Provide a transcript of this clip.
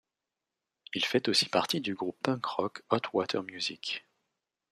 Il fait aussi partie du groupe punk rock Hot Water Music.